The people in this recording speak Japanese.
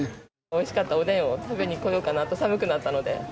おいしかったおでんを食べにこようかなと、寒くなったので。